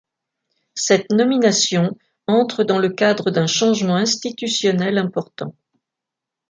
Cette nomination entre dans le cadre d'un changement institutionnel important.